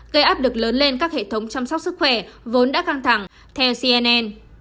cây áp được lớn lên các hệ thống chăm sóc sức khỏe vốn đã căng thẳng theo cnn